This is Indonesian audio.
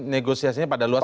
negosiasinya pada luas